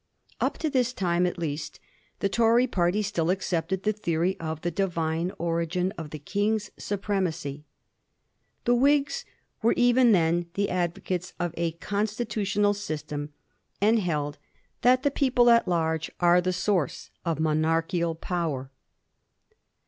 Up to this time at least the Tory party still accepted the theory of the Divine origin of the King's supremacy. The Whigs were even then the advocates of a constitutional system, and held that the people at large are the source of monarchical power.